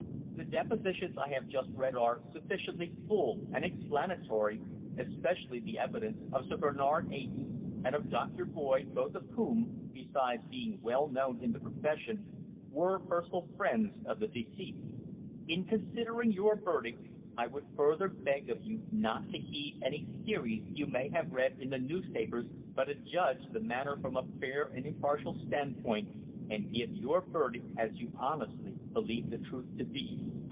The depositions I have just read are sufficiently full and explanatory, especially the evidence of Sir Bernard Eyton and of Doctor Boyd, both of whom, besides being well known in the profession, were personal friends of the deceased. In considering your verdict I would further beg of you not to heed any theories you may have read in the newspapers, but adjudge the matter from a fair and impartial standpoint, and give your verdict as you honestly believe the truth to be."